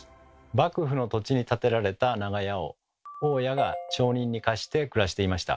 幕府の土地に建てられた長屋を大家が町人に貸して暮らしていました。